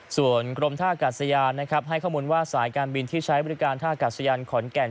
ส่วนกรมท่ากาศยานนะครับให้ข้อมูลว่าสายการบินที่ใช้บริการท่ากาศยานขอนแก่น